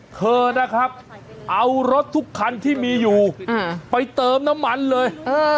เธอนะครับเอารถทุกคันที่มีอยู่ไปเติมน้ำมันเลย